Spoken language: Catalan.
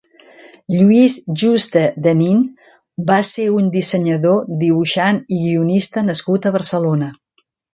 Lluís Juste de Nin va ser un dissenyador, dibuixant i guionista nascut a Barcelona.